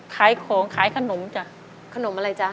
ขายของขายขนมจ้ะขนมอะไรจ๊ะ